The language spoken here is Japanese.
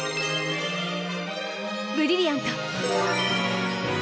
ブリリアント！